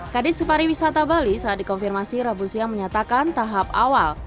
kd separi wisata bali saat dikonfirmasi rabu siang menyatakan tahap awal